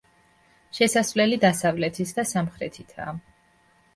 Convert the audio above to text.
შესასვლელი დასავლეთით და სამხრეთითაა.